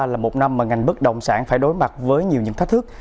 là một năm mà ngành bất động sản phải đối mặt với nhiều những thách thức